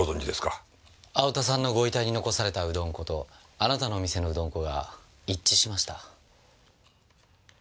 青田さんのご遺体に残されたうどん粉とあなたのお店のうどん粉が一致しました。